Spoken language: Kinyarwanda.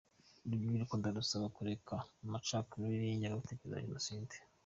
Urubyiruko ndarusaba kureka amacakubiri n’ingengabitekerezo ya Jenoside.